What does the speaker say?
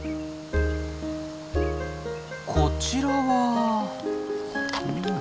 こちらは？